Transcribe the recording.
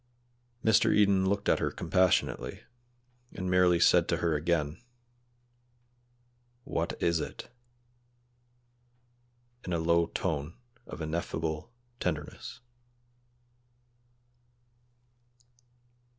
Mr. Eden looked at her compassionately, and merely said to her again, "What is it?" in a low tone of ineffable tenderness.